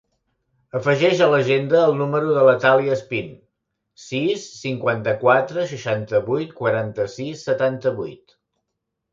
Afegeix a l'agenda el número de la Thàlia Espin: sis, cinquanta-quatre, seixanta-vuit, quaranta-sis, setanta-vuit.